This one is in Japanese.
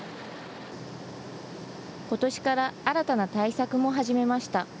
ことしから新たな対策も始めました。